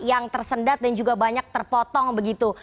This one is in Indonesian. yang tersendat dan juga banyak terpotong begitu